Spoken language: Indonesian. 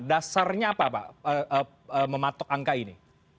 dasarnya apa pak mematok angka ini